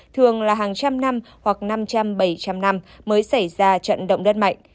thường là hàng trăm năm hoặc năm trăm bảy trăm linh năm mới xảy ra trận động đất mạnh